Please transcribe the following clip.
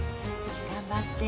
頑張って。